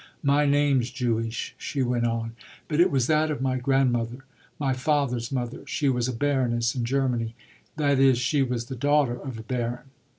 "My name's Jewish," she went on, "but it was that of my grandmother, my father's mother. She was a baroness in Germany. That is, she was the daughter of a baron."